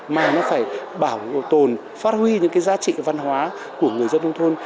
mà nó phải bảo tồn phát huy những cái giá trị văn hóa của người dân nông thôn